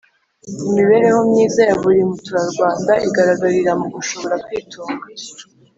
Imibereho myiza ya buri muturarwanda igaragarira mu gushobora kwitunga